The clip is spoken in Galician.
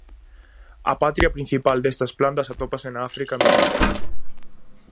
A patria principal destas plantas atópase na África meridional.